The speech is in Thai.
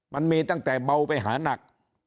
มันมีตั้งแต่เบาไปหานัก